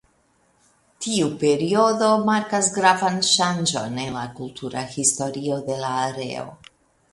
Tiu periodo markas gravan ŝanĝon en la kultura historio de la areo.